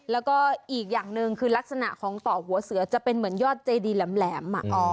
แล้วก็อีกอย่างหนึ่งคือลักษณะของต่อหัวเสือจะเป็นเหมือนยอดเจดีแหลม